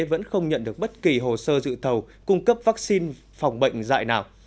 vẫn không nhận được bất kỳ hồ sơ dự thầu cung cấp vaccine phòng bệnh dạy nào